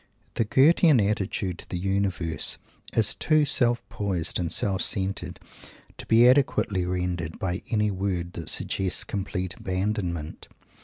The Goethean attitude to the Universe is too self poised and self centered to be adequately rendered by any word that suggests complete abandonment.